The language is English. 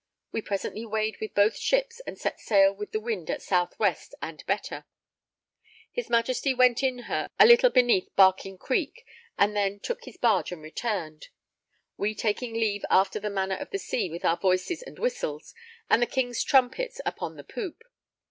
We presently weighed with both ships and set sail with the wind at south west and better; his Majesty went in her a little beneath Barking Creek, and then took his barge and returned, we taking leave after the manner of the sea with our voices and whistles, and the King's trumpets upon the poop.